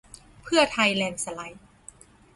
เพื่อไทยแลนด์สไลด์